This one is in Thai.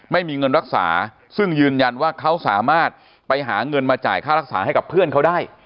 ไม่มีเงินรักษาซึ่งยืนยันว่าเขาสามารถไปหาเงินมาจ่ายค่ารักษาให้กับเพื่อนเขาได้